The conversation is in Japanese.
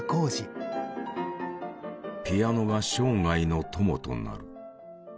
ピアノが生涯の友となる。